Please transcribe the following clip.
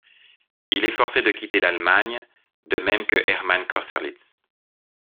Il est forcé de quitter l'Allemagne, de même que Hermann Kosterlitz.